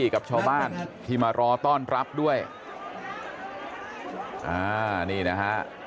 กลับไปตั้ง๑๕๐๐ปีทำอะไรแล้วบ้าง